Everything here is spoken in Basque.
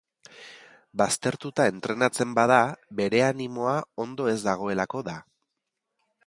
Baztertuta entrenatzen bada, bere animoa ondo ez dagoelako da.